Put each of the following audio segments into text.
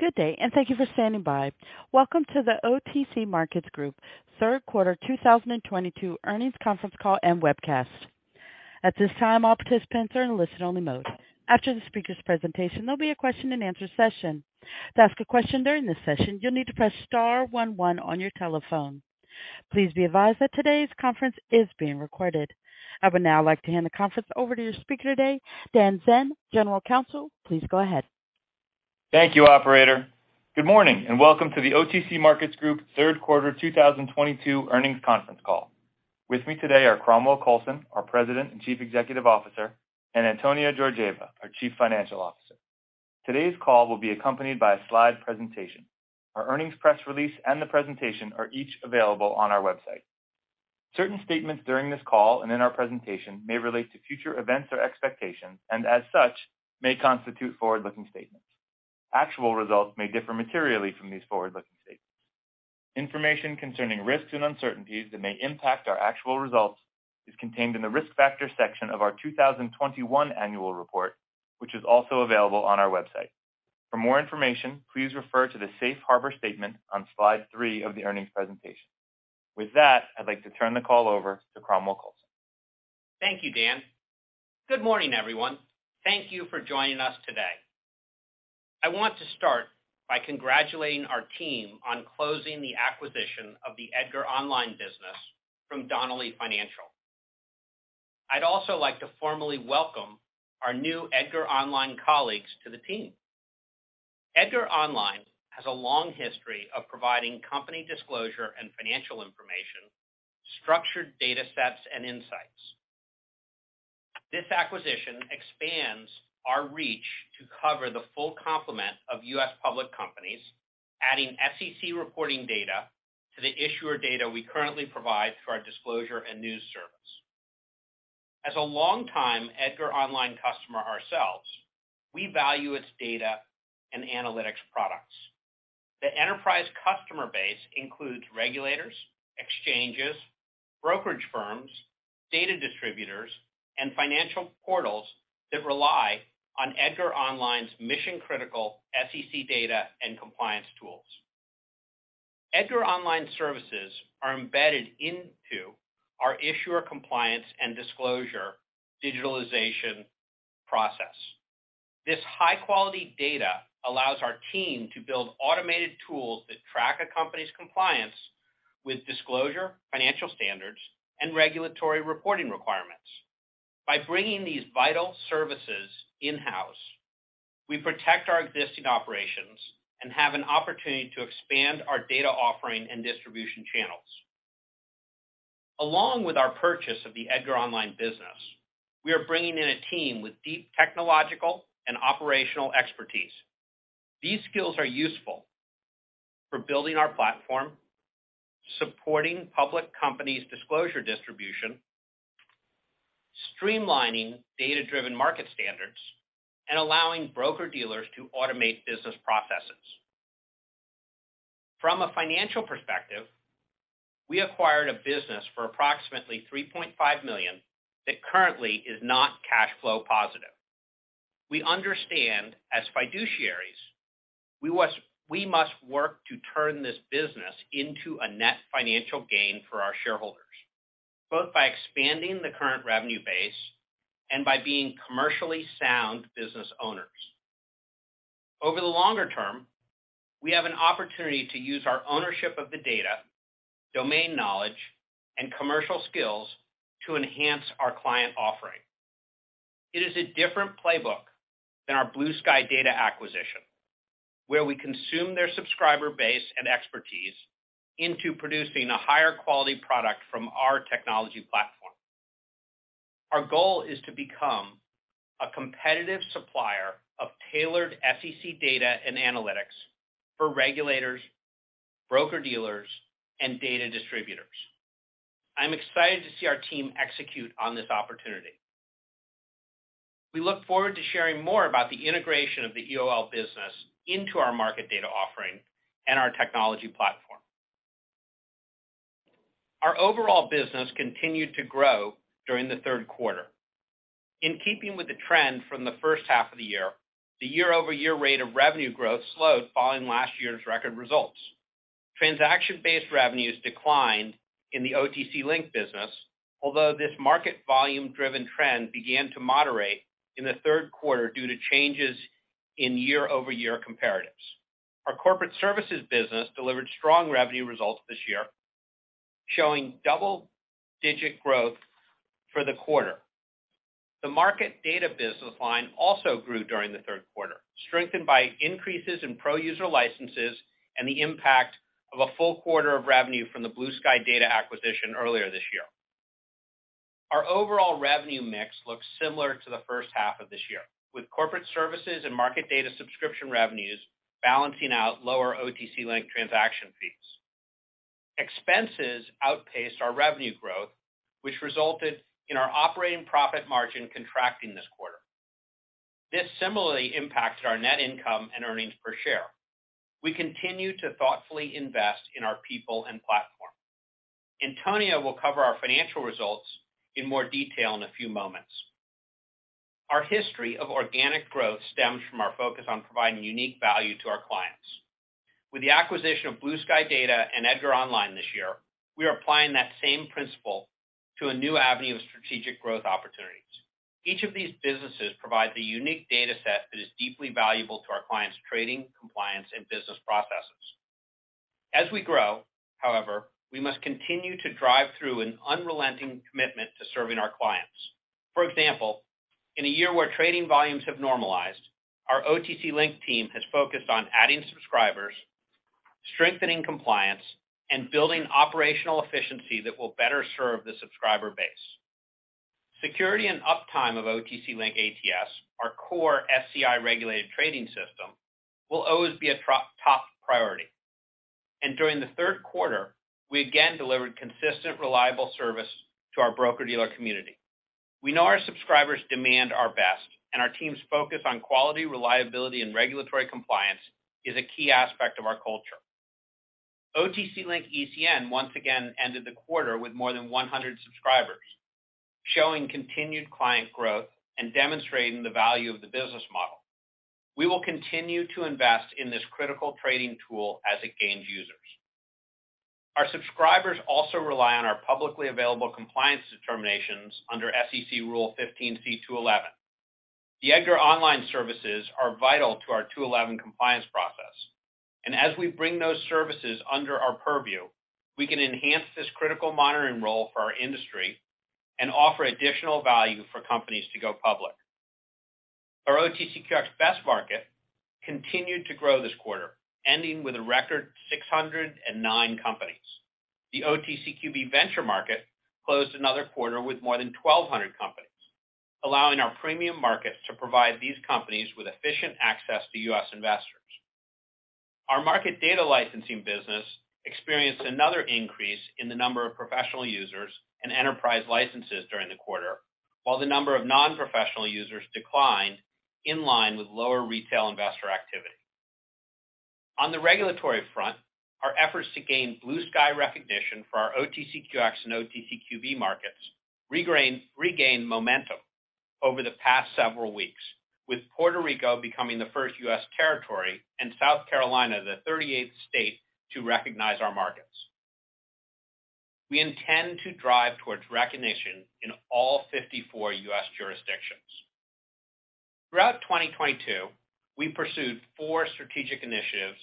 Good day, and thank you for standing by. Welcome to the OTC Markets Group third quarter 2022 earnings conference call and webcast. At this time, all participants are in listen only mode. After the speakers presentation, there'll be a question-and-answer session. To ask a question during this session, you'll need to press star one one on your telephone. Please be advised that today's conference is being recorded. I would now like to hand the conference over to your speaker today, Dan Zinn, General Counsel. Please go ahead. Thank you, operator. Good morning and welcome to the OTC Markets Group third quarter 2022 earnings conference call. With me today are Cromwell Coulson, our President and Chief Executive Officer, and Antonia Georgieva, our Chief Financial Officer. Today's call will be accompanied by a slide presentation. Our earnings press release and the presentation are each available on our website. Certain statements during this call and in our presentation may relate to future events or expectations and as such, may constitute forward-looking statements. Actual results may differ materially from these forward-looking statements. Information concerning risks and uncertainties that may impact our actual results is contained in the Risk Factors section of our 2021 annual report, which is also available on our website. For more information, please refer to the Safe Harbor statement on slide three of the earnings presentation. With that, I'd like to turn the call over to Cromwell Coulson. Thank you, Dan. Good morning, everyone. Thank you for joining us today. I want to start by congratulating our team on closing the acquisition of the EDGAR Online business from Donnelley Financial Solutions. I'd also like to formally welcome our new EDGAR Online colleagues to the team. EDGAR Online has a long history of providing company disclosure and financial information, structured data sets, and insights. This acquisition expands our reach to cover the full complement of U.S. public companies, adding SEC reporting data to the issuer data we currently provide through our disclosure and news service. As a long time EDGAR Online customer ourselves, we value its data and analytics products. The enterprise customer base includes regulators, exchanges, brokerage firms, data distributors, and financial portals that rely on EDGAR Online's mission-critical SEC data and compliance tools. EDGAR Online services are embedded into our issuer compliance and disclosure digitalization process. This high-quality data allows our team to build automated tools that track a company's compliance with disclosure, financial standards, and regulatory reporting requirements. By bringing these vital services in-house, we protect our existing operations and have an opportunity to expand our data offering and distribution channels. Along with our purchase of the EDGAR Online business, we are bringing in a team with deep technological and operational expertise. These skills are useful for building our platform, supporting public companies' disclosure distribution, streamlining data-driven market standards, and allowing broker-dealers to automate business processes. From a financial perspective, we acquired a business for approximately $3.5 million that currently is not cash flow positive. We understand, as fiduciaries, we must work to turn this business into a net financial gain for our shareholders, both by expanding the current revenue base and by being commercially sound business owners. Over the longer term, we have an opportunity to use our ownership of the data, domain knowledge, and commercial skills to enhance our client offering. It is a different playbook than our Blue Sky Data acquisition, where we consume their subscriber base and expertise into producing a higher quality product from our technology platform. Our goal is to become a competitive supplier of tailored SEC data and analytics for regulators, broker-dealers, and data distributors. I'm excited to see our team execute on this opportunity. We look forward to sharing more about the integration of the EOL business into our market data offering and our technology platform. Our overall business continued to grow during the third quarter. In keeping with the trend from the first half of the year, the year-over-year rate of revenue growth slowed following last year's record results. Transaction-based revenues declined in the OTC Link business, although this market volume-driven trend began to moderate in the third quarter due to changes in year-over-year comparatives. Our corporate services business delivered strong revenue results this year, showing double-digit growth for the quarter. The market data business line also grew during the third quarter, strengthened by increases in pro-user licenses and the impact of a full quarter of revenue from the Blue Sky Data acquisition earlier this year. Our overall revenue mix looks similar to the first half of this year, with corporate services and market data subscription revenues balancing out lower OTC Link transaction fees. Expenses outpaced our revenue growth, which resulted in our operating profit margin contracting this quarter. This similarly impacted our net income and earnings per share. We continue to thoughtfully invest in our people and platform. Antonia will cover our financial results in more detail in a few moments. Our history of organic growth stems from our focus on providing unique value to our clients. With the acquisition of Blue Sky Data and EDGAR Online this year, we are applying that same principle to a new avenue of strategic growth opportunities. Each of these businesses provides a unique data set that is deeply valuable to our clients' trading, compliance, and business processes. As we grow, however, we must continue to drive through an unrelenting commitment to serving our clients. For example, in a year where trading volumes have normalized, our OTC Link team has focused on adding subscribers, strengthening compliance, and building operational efficiency that will better serve the subscriber base. Security and uptime of OTC Link ATS, our core SCI-regulated trading system, will always be a top priority. During the third quarter, we again delivered consistent, reliable service to our broker-dealer community. We know our subscribers demand our best, and our team's focus on quality, reliability, and regulatory compliance is a key aspect of our culture. OTC Link ECN once again ended the quarter with more than 100 subscribers, showing continued client growth and demonstrating the value of the business model. We will continue to invest in this critical trading tool as it gains users. Our subscribers also rely on our publicly available compliance determinations under SEC Rule 15c2-11. The EDGAR Online services are vital to our 15c2-11 compliance process. As we bring those services under our purview, we can enhance this critical monitoring role for our industry and offer additional value for companies to go public. Our OTCQX Best Market continued to grow this quarter, ending with a record 609 companies. The OTCQB Venture Market closed another quarter with more than 1,200 companies, allowing our premium markets to provide these companies with efficient access to U.S. investors. Our market data licensing business experienced another increase in the number of professional users and enterprise licenses during the quarter, while the number of non-professional users declined in line with lower retail investor activity. On the regulatory front, our efforts to gain Blue Sky recognition for our OTCQX and OTCQB markets regained momentum over the past several weeks, with Puerto Rico becoming the first U.S. territory and South Carolina the 38th state to recognize our markets. We intend to drive towards recognition in all 54 U.S. jurisdictions. Throughout 2022, we pursued four strategic initiatives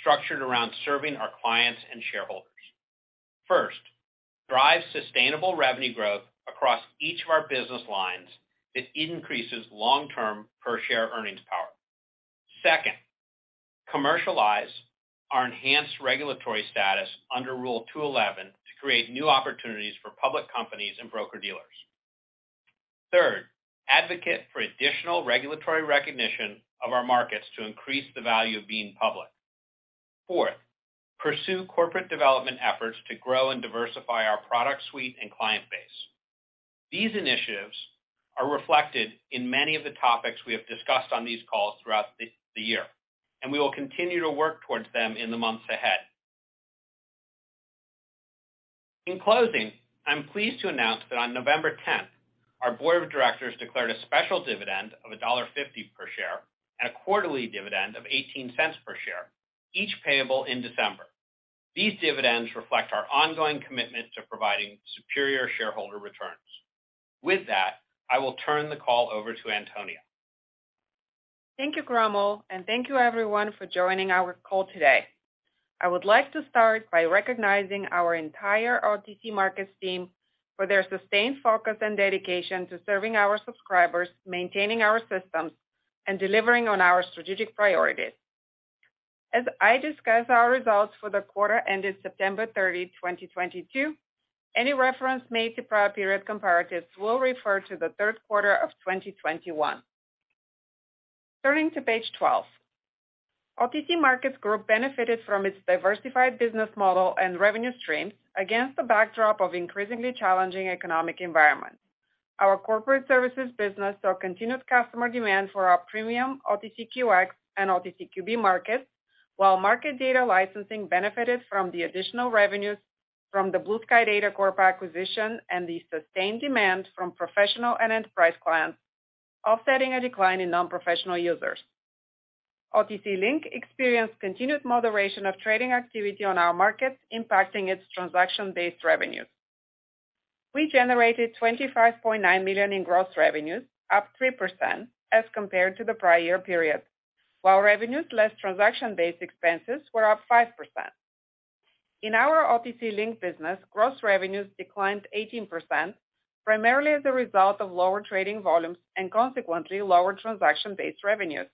structured around serving our clients and shareholders. First, drive sustainable revenue growth across each of our business lines that increases long-term per-share earnings power. Second, commercialize our enhanced regulatory status under Rule 15c2-11 to create new opportunities for public companies and broker-dealers. Third, advocate for additional regulatory recognition of our markets to increase the value of being public. Fourth, pursue corporate development efforts to grow and diversify our product suite and client base. These initiatives are reflected in many of the topics we have discussed on these calls throughout the year, and we will continue to work towards them in the months ahead. In closing, I'm pleased to announce that on November 10th, our board of directors declared a special dividend of $1.50 per share and a quarterly dividend of $0.18 per share, each payable in December. These dividends reflect our ongoing commitment to providing superior shareholder returns. With that, I will turn the call over to Antonia. Thank you, Cromwell, and thank you, everyone, for joining our call today. I would like to start by recognizing our entire OTC Markets team for their sustained focus and dedication to serving our subscribers, maintaining our systems, and delivering on our strategic priorities. As I discuss our results for the quarter ended September 30, 2022, any reference made to prior period comparatives will refer to the third quarter of 2021. Turning to page 12. OTC Markets Group benefited from its diversified business model and revenue stream against the backdrop of increasingly challenging economic environment. Our corporate services business saw continued customer demand for our premium OTCQX and OTCQB markets, while market data licensing benefited from the additional revenues from the Blue Sky Data Corp acquisition and the sustained demand from professional and enterprise clients, offsetting a decline in non-professional users. OTC Link experienced continued moderation of trading activity on our markets, impacting its transaction-based revenues. We generated $25.9 million in gross revenues, up 3% as compared to the prior year period, while revenues less transaction-based expenses were up 5%. In our OTC Link business, gross revenues declined 18%, primarily as a result of lower trading volumes and consequently lower transaction-based revenues.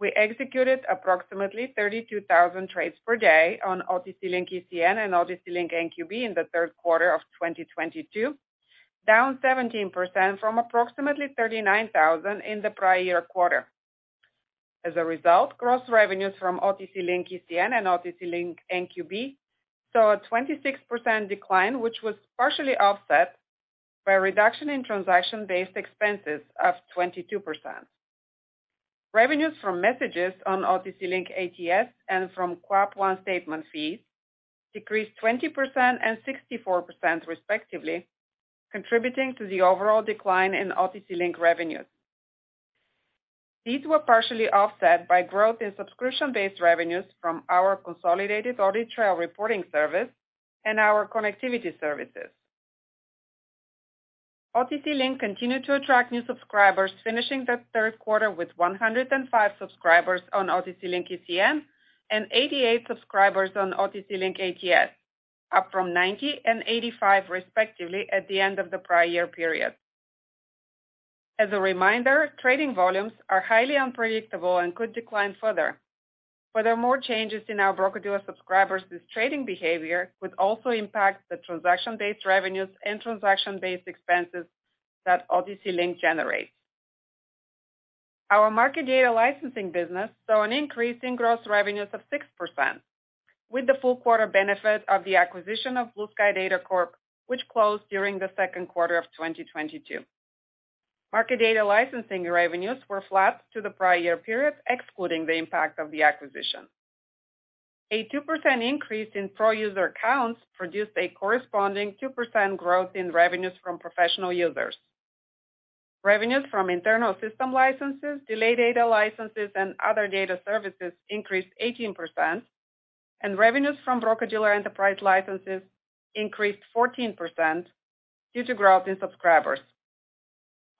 We executed approximately 32,000 trades per day on OTC Link ECN and OTC Link NQB in the third quarter of 2022, down 17% from approximately 39,000 in the prior year quarter. As a result, gross revenues from OTC Link ECN and OTC Link NQB saw a 26% decline, which was partially offset by a reduction in transaction-based expenses of 22%. Revenues from messages on OTC Link ATS and from Corp1 statement fees decreased 20% and 64% respectively, contributing to the overall decline in OTC Link revenues. These were partially offset by growth in subscription-based revenues from our Consolidated Audit Trail reporting service and our connectivity services. OTC Link continued to attract new subscribers, finishing the third quarter with 105 subscribers on OTC Link ECN, and 88 subscribers on OTC Link ATS, up from 90 and 85 respectively at the end of the prior year period. As a reminder, trading volumes are highly unpredictable and could decline further. Furthermore changes in our broker-dealer subscribers' trading behavior could also impact the transaction-based revenues and transaction-based expenses that OTC Link generates. Our market data licensing business saw an increase in gross revenues of 6% with the full quarter benefit of the acquisition of Blue Sky Data Corp, which closed during the second quarter of 2022. Market data licensing revenues were flat to the prior year period, excluding the impact of the acquisition. A 2% increase in pro-user accounts produced a corresponding 2% growth in revenues from professional users. Revenues from internal system licenses, delay data licenses, and other data services increased 18%, and revenues from broker-dealer enterprise licenses increased 14% due to growth in subscribers.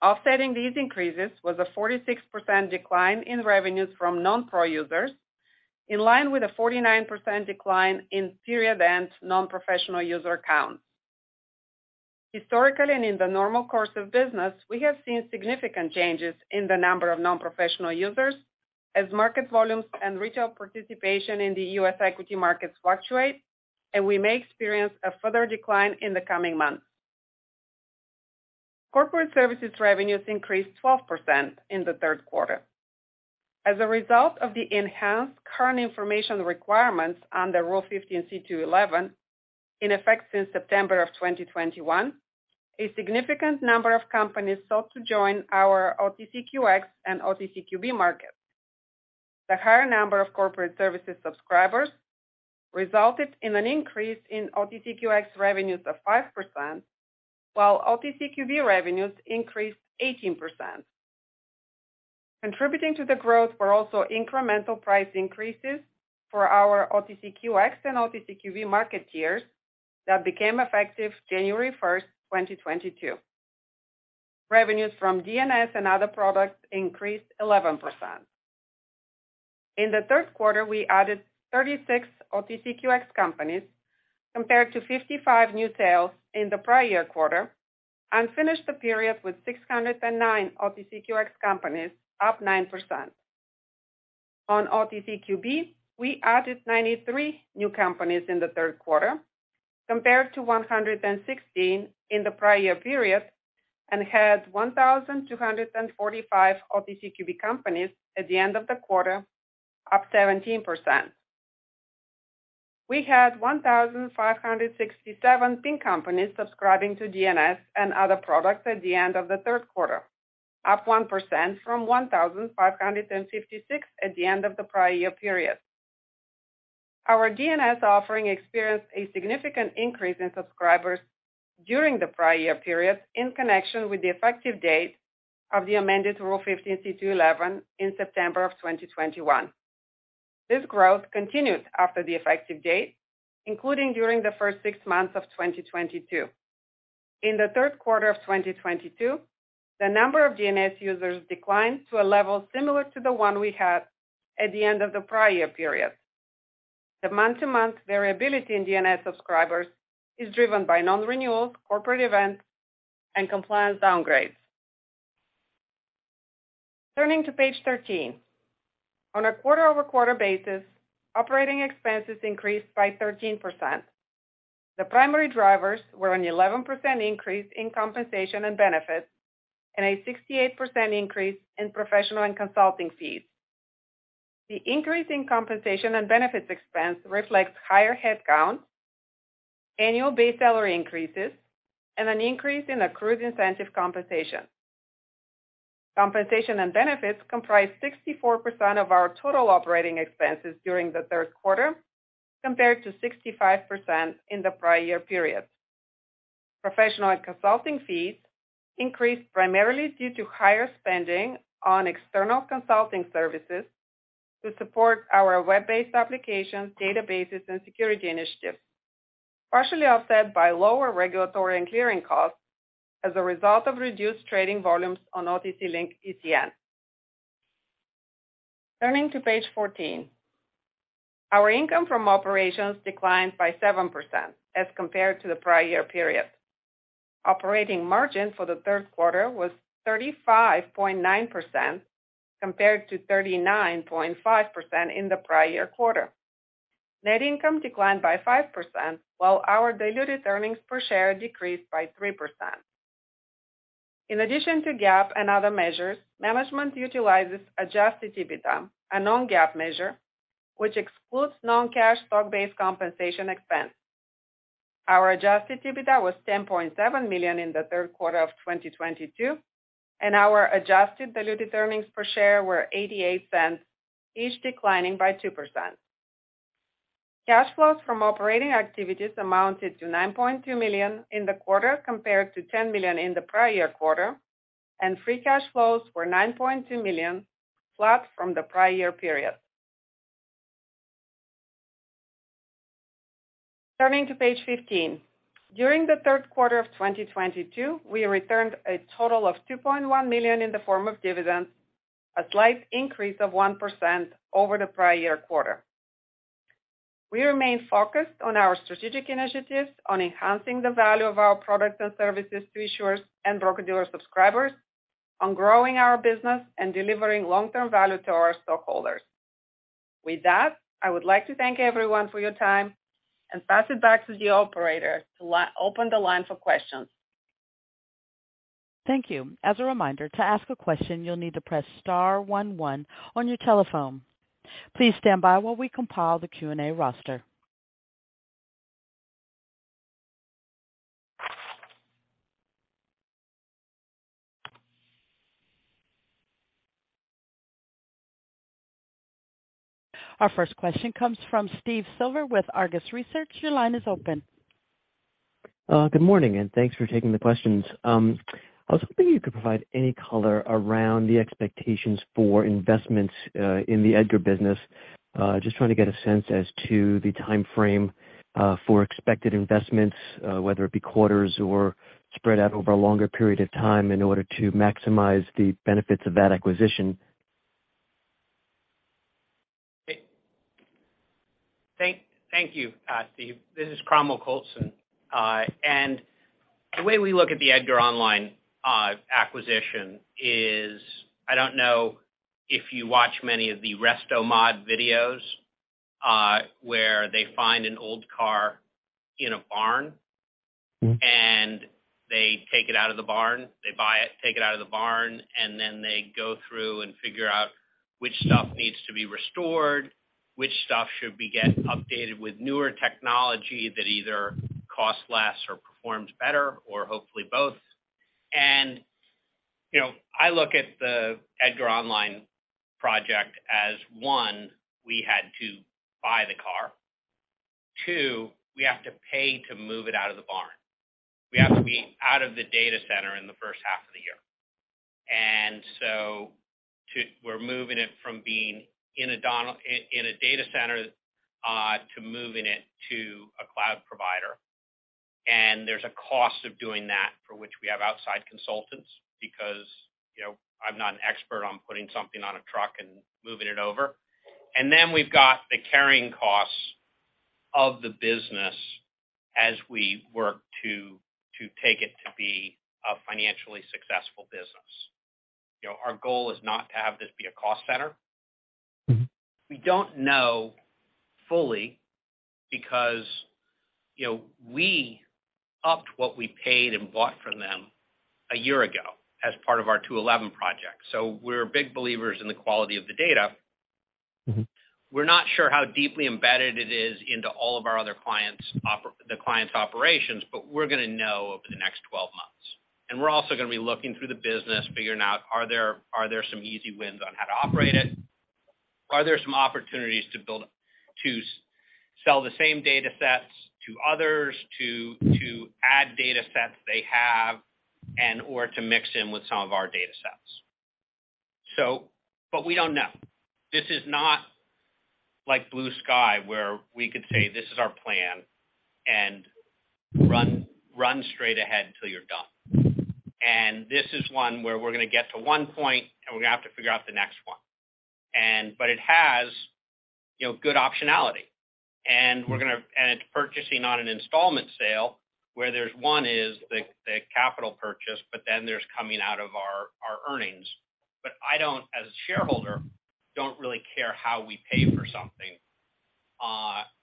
Offsetting these increases was a 46% decline in revenues from non-pro users, in line with a 49% decline in period end non-professional user counts. Historically, and in the normal course of business, we have seen significant changes in the number of non-professional users as market volumes and retail participation in the U.S. equity market fluctuate, and we may experience a further decline in the coming months. Corporate services revenues increased 12% in the third quarter. As a result of the enhanced current information requirements under Rule 15c2-11, in effect since September of 2021, a significant number of companies sought to join our OTCQX and OTCQB markets. The higher number of corporate services subscribers resulted in an increase in OTCQX revenues of 5%, while OTCQB revenues increased 18%. Contributing to the growth were also incremental price increases for our OTCQX and OTCQB market tiers that became effective January 1st, 2022. Revenues from DNS and other products increased 11%. In the third quarter, we added 36 OTCQX companies compared to 55 new sales in the prior year quarter and finished the period with 609 OTCQX companies, up 9%. On OTCQB, we added 93 new companies in the third quarter compared to 116 in the prior year period and had 1,245 OTCQB companies at the end of the quarter, up 17%. We had 1,567 Pink companies subscribing to DNS and other products at the end of the third quarter, up 1% from 1,556 at the end of the prior year period. Our DNS offering experienced a significant increase in subscribers during the prior year period in connection with the effective date of the amended Rule 15c2-11 in September 2021. This growth continued after the effective date, including during the first six months of 2022. In the third quarter of 2022, the number of DNS users declined to a level similar to the one we had at the end of the prior year period. The month-to-month variability in DNS subscribers is driven by non-renewals, corporate events, and compliance downgrades. Turning to page 13. On a quarter-over-quarter basis, operating expenses increased by 13%. The primary drivers were an 11% increase in compensation and benefits and a 68% increase in professional and consulting fees. The increase in compensation and benefits expense reflects higher headcount, annual base salary increases, and an increase in accrued incentive compensation. Compensation and benefits comprised 64% of our total operating expenses during the third quarter, compared to 65% in the prior year period. Professional and consulting fees increased primarily due to higher spending on external consulting services to support our web-based applications, databases, and security initiatives, partially offset by lower regulatory and clearing costs as a result of reduced trading volumes on OTC Link ECN. Turning to page 14. Our income from operations declined by 7% as compared to the prior year period. Operating margin for the third quarter was 35.9% compared to 39.5% in the prior year quarter. Net income declined by 5%, while our diluted earnings per share decreased by 3%. In addition to GAAP and other measures, management utilizes Adjusted EBITDA, a non-GAAP measure, which excludes non-cash stock-based compensation expense. Our Adjusted EBITDA was $10.7 million in the third quarter of 2022, and our adjusted diluted earnings per share were $0.88, each declining by 2%. Cash flows from operating activities amounted to $9.2 million in the quarter compared to $10 million in the prior year quarter, and free cash flows were $9.2 million, flat from the prior year period. Turning to page 15. During the third quarter of 2022, we returned a total of $2.1 million in the form of dividends, a slight increase of 1% over the prior year quarter. We remain focused on our strategic initiatives on enhancing the value of our products and services to issuers and broker-dealer subscribers, on growing our business and delivering long-term value to our stockholders. With that, I would like to thank everyone for your time and pass it back to the operator to open the line for questions. Thank you. As a reminder, to ask a question, you'll need to press star one one on your telephone. Please stand by while we compile the Q and A roster. Our first question comes from Steve Silver with Argus Research. Your line is open. Good morning, and thanks for taking the questions. I was hoping you could provide any color around the expectations for investments in the EDGAR business. Just trying to get a sense as to the timeframe for expected investments, whether it be quarters or spread out over a longer period of time in order to maximize the benefits of that acquisition. Thank you, Steve. This is Cromwell Coulson. The way we look at the EDGAR Online acquisition is, I don't know if you watch many of the Restomod videos, where they find an old car in a barn. Mm-hmm. They take it out of the barn. They buy it, take it out of the barn, and then they go through and figure out which stuff needs to be restored, which stuff should get updated with newer technology that either costs less or performs better or hopefully both. You know, I look at the EDGAR Online project as, one, we had to buy the car. Two, we have to pay to move it out of the barn. We have to be out of the data center in the first half of the year. We're moving it from being in a Donnelley data center to moving it to a cloud provider. There's a cost of doing that for which we have outside consultants because, you know, I'm not an expert on putting something on a truck and moving it over. We've got the carrying costs of the business as we work to take it to be a financially successful business. You know, our goal is not to have this be a cost center. Mm-hmm. We don't know fully because, you know, we upped what we paid and bought from them a year ago as part of our 15c2-11 project. We're big believers in the quality of the data. Mm-hmm. We're not sure how deeply embedded it is into all of our other clients' operations, but we're gonna know over the next 12 months. We're also gonna be looking through the business, figuring out, are there some easy wins on how to operate it? Are there some opportunities to sell the same datasets to others, to add datasets they have and/or to mix in with some of our datasets. We don't know. This is not like Blue Sky, where we could say, this is our plan and run straight ahead until you're done. This is one where we're gonna get to one point, and we're gonna have to figure out the next one. It has, you know, good optionality, and it's purchasing on an installment sale where there's one is the capital purchase, but then there's coming out of our earnings. I don't, as a shareholder, really care how we pay for something,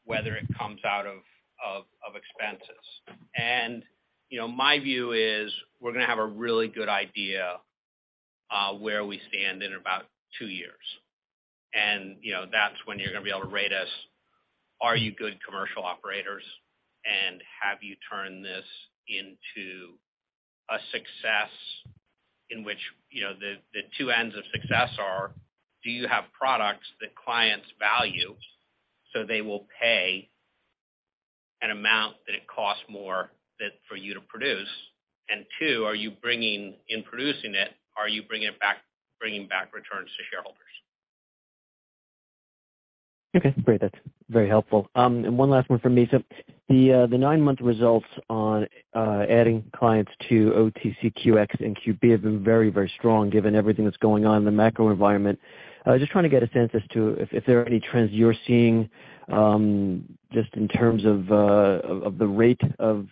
whether it comes out of expenses. You know, my view is we're gonna have a really good idea where we stand in about two years. You know, that's when you're gonna be able to rate us. Are you good commercial operators? Have you turned this into a success in which, you know, the two ends of success are, do you have products that clients value so they will pay an amount that it costs more that for you to produce? Two, in producing it, are you bringing back returns to shareholders? Okay, great. That's very helpful. One last one for me. The nine-month results on adding clients to OTCQX and QB have been very, very strong given everything that's going on in the macro environment. Just trying to get a sense as to if there are any trends you're seeing, just in terms of the rate of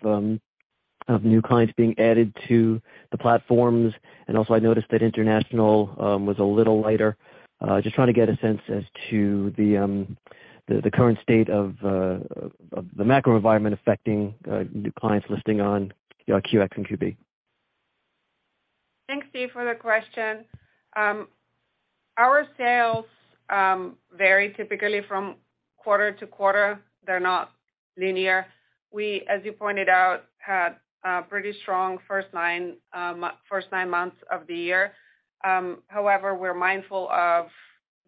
new clients being added to the platforms. Also, I noticed that international was a little lighter. Just trying to get a sense as to the current state of the macro environment affecting new clients listing on QX and QB. Thanks, Steve, for the question. Our sales vary typically from quarter to quarter. They're not linear. We, as you pointed out, had a pretty strong first nine months of the year. However, we're mindful of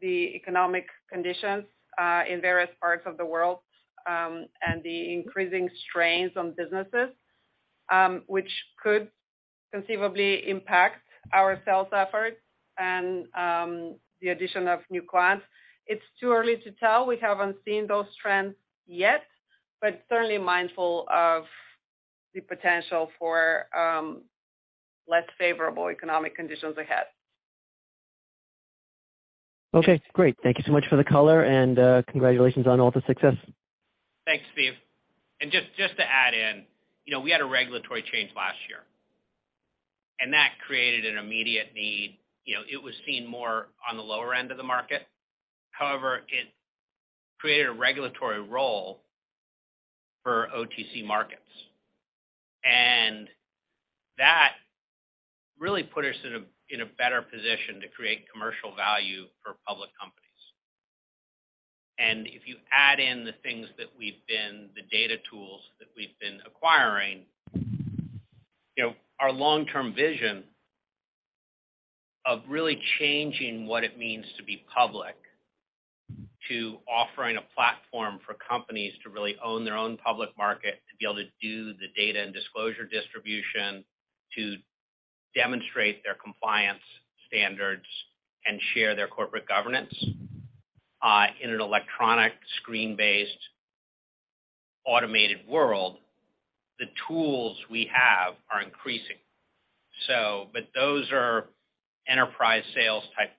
the economic conditions in various parts of the world and the increasing strains on businesses which could conceivably impact our sales efforts and the addition of new clients. It's too early to tell. We haven't seen those trends yet, but certainly mindful of the potential for less favorable economic conditions ahead. Okay, great. Thank you so much for the color and congratulations on all the success. Thanks, Steve. Just to add in, you know, we had a regulatory change last year. That created an immediate need. You know, it was seen more on the lower end of the market. However, it created a regulatory role for OTC Markets. That really put us in a better position to create commercial value for public companies. If you add in the things that we've been, the data tools that we've been acquiring, you know, our long-term vision of really changing what it means to be public, to offering a platform for companies to really own their own public market, to be able to do the data and disclosure distribution, to demonstrate their compliance standards and share their corporate governance, in an electronic, screen-based, automated world, the tools we have are increasing. Those are enterprise sales type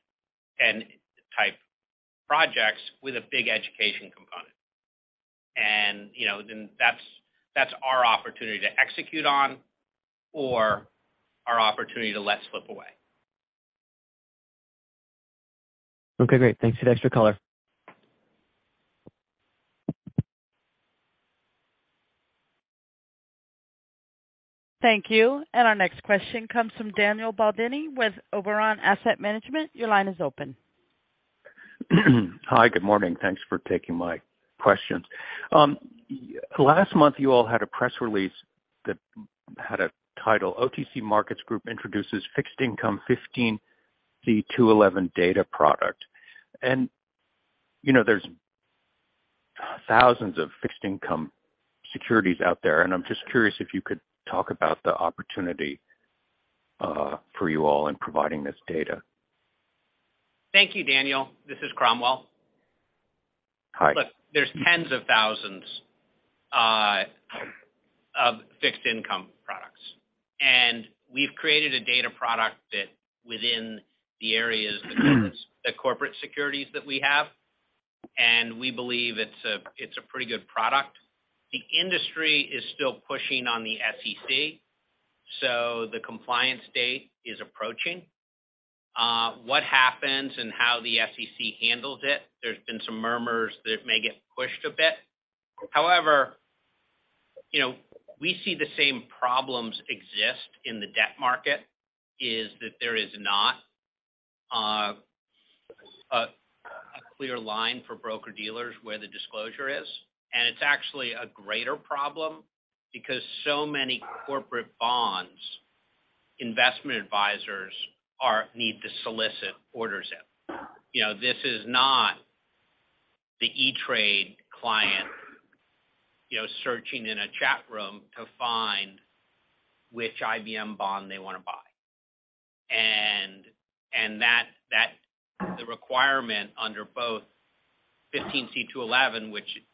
projects with a big education component. You know, then that's our opportunity to execute on or our opportunity to let slip away. Okay, great. Thanks for the extra color. Thank you. Our next question comes from Daniel Baldini with Oberon Asset Management. Your line is open. Hi, good morning. Thanks for taking my questions. Last month, you all had a press release that had a title, OTC Markets Group Introduces Fixed Income 15c2-11 Data Product. You know, there's thousands of fixed income securities out there, and I'm just curious if you could talk about the opportunity, for you all in providing this data. Thank you, Daniel Baldini. This is Cromwell Coulson. Hi. Look, there's tens of thousands of fixed income products. We've created a data product that within the areas that covers the corporate securities that we have, and we believe it's a pretty good product. The industry is still pushing on the SEC, so the compliance date is approaching. What happens and how the SEC handles it, there's been some murmurs that it may get pushed a bit. However, you know, we see the same problems exist in the debt market, is that there is not a clear line for broker-dealers where the disclosure is. It's actually a greater problem because so many corporate bonds investment advisors need to solicit orders in. You know, this is not the E*TRADE client, you know, searching in a chat room to find which IBM bond they wanna buy. The requirement under both Rule 15c2-11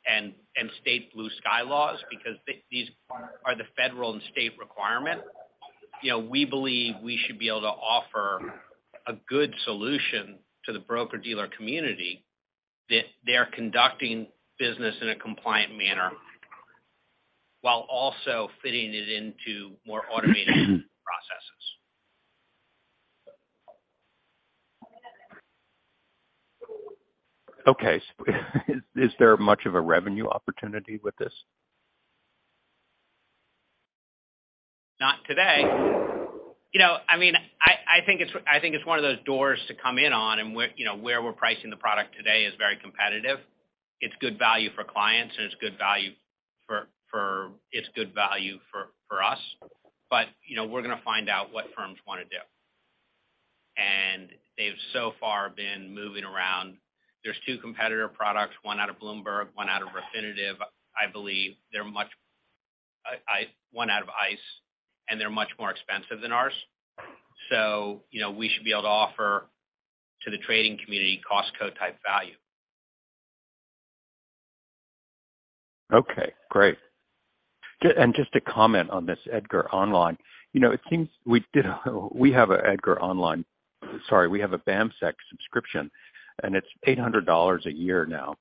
and state Blue Sky laws, because these are the federal and state requirement, you know, we believe we should be able to offer a good solution to the broker-dealer community that they are conducting business in a compliant manner while also fitting it into more automated processes. Okay. Is there much of a revenue opportunity with this? Not today. You know, I mean, I think it's one of those doors to come in on and where, you know, where we're pricing the product today is very competitive. It's good value for clients, and it's good value for us. You know, we're gonna find out what firms wanna do. They've so far been moving around. There's two competitor products, one out of Bloomberg, one out of Refinitiv. I believe one out of ICE, and they're much more expensive than ours. You know, we should be able to offer to the trading community Costco-type value. Okay, great. Just to comment on this EDGAR Online, you know. Sorry, we have a BamSEC subscription, and it's $800 a year now.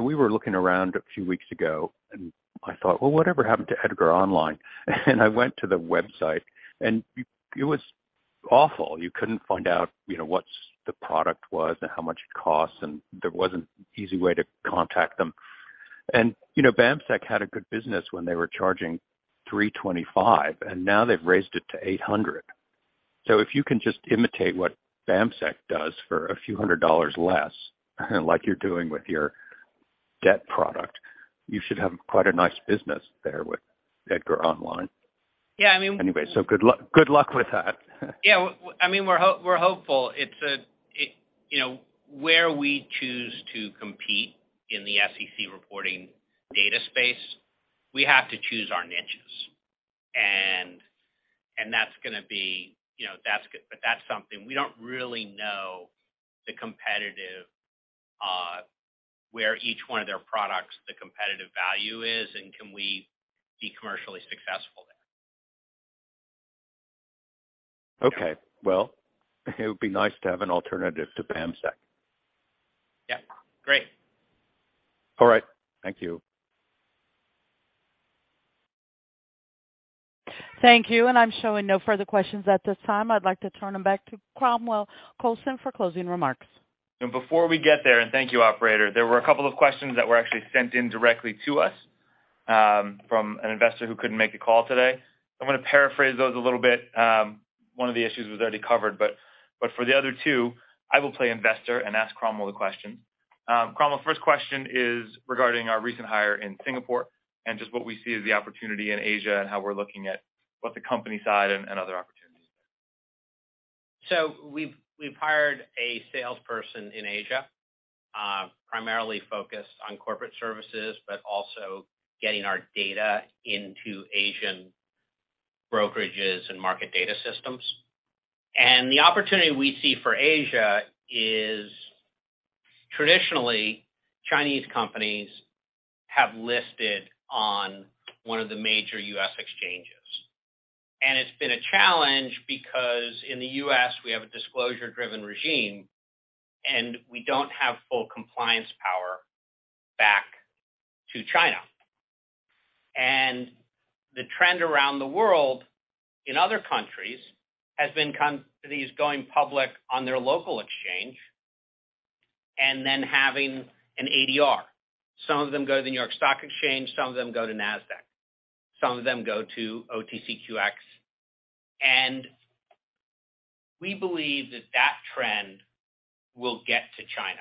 We were looking around a few weeks ago and I thought, "Well, whatever happened to EDGAR Online?" I went to the website, and it was awful. You couldn't find out, you know, what's the product was and how much it costs, and there wasn't an easy way to contact them. You know, BamSEC had a good business when they were charging $325, and now they've raised it to $800. If you can just imitate what BamSEC does for a few hundred dollars less, like you're doing with your debt product, you should have quite a nice business there with EDGAR Online. Yeah, I mean. Anyway, good luck with that. Yeah. I mean, we're hopeful. You know, where we choose to compete in the SEC reporting data space, we have to choose our niches. That's gonna be, you know, that's good but that's something. We don't really know the competitive where each one of their products, the competitive value is, and can we be commercially successful there. Okay. Well, it would be nice to have an alternative to BamSEC. Yeah. Great. All right. Thank you. Thank you. I'm showing no further questions at this time. I'd like to turn them back to Cromwell Coulson for closing remarks. Before we get there, thank you, operator, there were a couple of questions that were actually sent in directly to us, from an investor who couldn't make the call today. I'm gonna paraphrase those a little bit. One of the issues was already covered. For the other two, I will play investor and ask Cromwell the question. Cromwell, first question is regarding our recent hire in Singapore and just what we see as the opportunity in Asia and how we're looking at both the company side and other opportunities there. We've hired a salesperson in Asia, primarily focused on corporate services, but also getting our data into Asian brokerages and market data systems. The opportunity we see for Asia is traditionally Chinese companies have listed on one of the major U.S. exchanges. It's been a challenge because in the U.S., we have a disclosure-driven regime, and we don't have full compliance power back to China. The trend around the world in other countries has been companies going public on their local exchange and then having an ADR. Some of them go to the New York Stock Exchange, some of them go to Nasdaq, some of them go to OTCQX. We believe that that trend will get to China,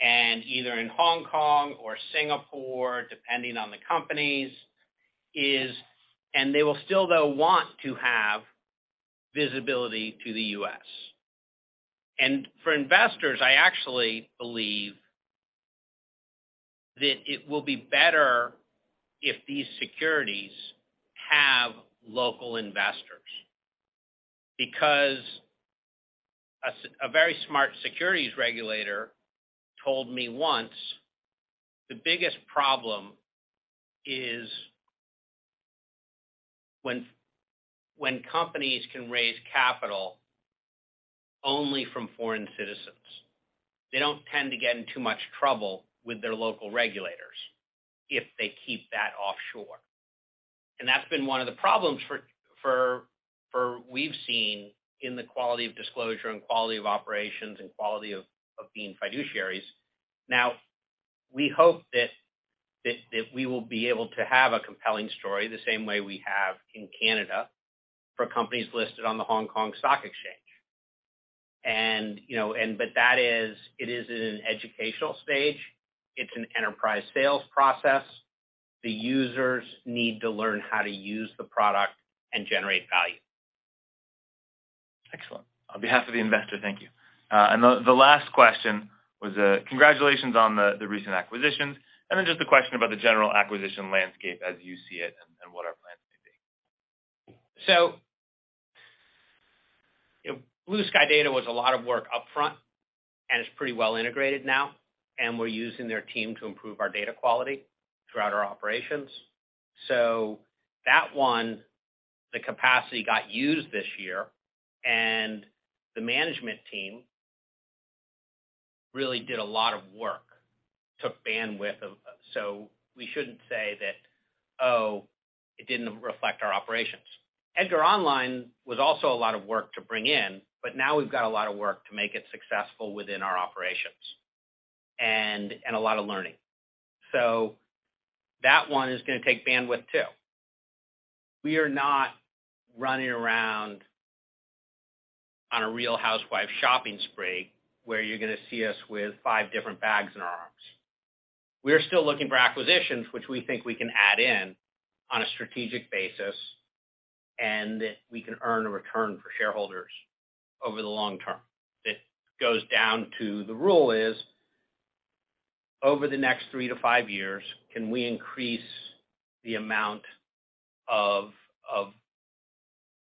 either in Hong Kong or Singapore, depending on the companies. They will still, though, want to have visibility to the U.S. For investors, I actually believe that it will be better if these securities have local investors. Because a very smart securities regulator told me once, the biggest problem is when companies can raise capital only from foreign citizens, they don't tend to get in too much trouble with their local regulators if they keep that offshore. That's been one of the problems for what we've seen in the quality of disclosure and quality of operations and quality of being fiduciaries. Now, we hope that we will be able to have a compelling story the same way we have in Canada for companies listed on the Hong Kong Stock Exchange. You know, but that is, it is in an educational stage. It's an enterprise sales process. The users need to learn how to use the product and generate value. Excellent. On behalf of the investor, thank you. The last question was, congratulations on the recent acquisitions, and then just a question about the general acquisition landscape as you see it and what our plans may be. Blue Sky Data was a lot of work upfront, and it's pretty well integrated now, and we're using their team to improve our data quality throughout our operations. That one, the capacity got used this year, and the management team really did a lot of work. We shouldn't say that, "Oh, it didn't reflect our operations." EDGAR Online was also a lot of work to bring in, but now we've got a lot of work to make it successful within our operations and a lot of learning. That one is gonna take bandwidth, too. We are not running around on a The Real Housewives shopping spree, where you're gonna see us with five different bags in our arms. We are still looking for acquisitions which we think we can add in on a strategic basis, and that we can earn a return for shareholders over the long term. It goes down to the rule is, over the next three to five years, can we increase the amount of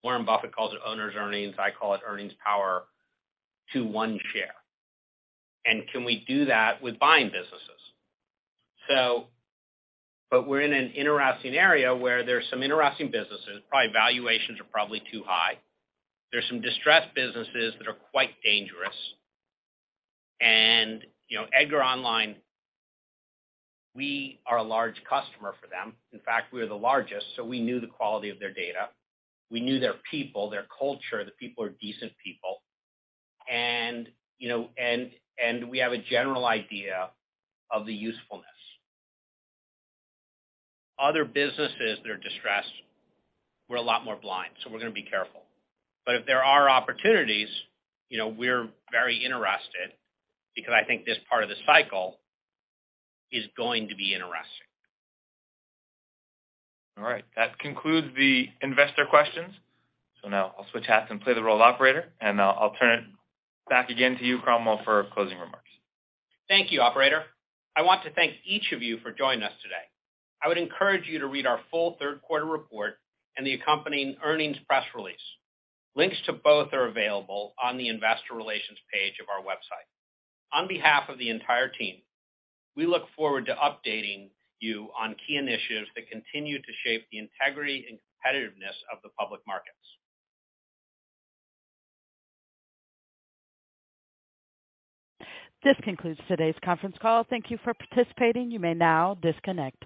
Warren Buffett calls it owners' earnings, I call it earnings power, to one share. Can we do that with buying businesses? We're in an interesting area where there's some interesting businesses. Probably valuations are too high. There's some distressed businesses that are quite dangerous. You know, we have a general idea of the usefulness. Other businesses that are distressed, we're a lot more blind, so we're gonna be careful. If there are opportunities, you know, we're very interested because I think this part of this cycle is going to be interesting. All right. That concludes the investor questions. Now I'll switch hats and play the role of operator, and I'll turn it back again to you, Cromwell, for closing remarks. Thank you, operator. I want to thank each of you for joining us today. I would encourage you to read our full third quarter report and the accompanying earnings press release. Links to both are available on the investor relations page of our website. On behalf of the entire team, we look forward to updating you on key initiatives that continue to shape the integrity and competitiveness of the public markets. This concludes today's conference call. Thank you for participating. You may now disconnect.